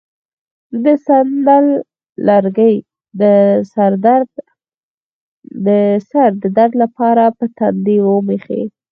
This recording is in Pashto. د سندل لرګی د سر د درد لپاره په تندي ومښئ